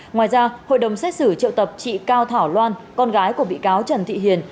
ngoài ra hội đồng xét xử triệu tập chị cao thảo loan con gái của bị cáo trần thị hiền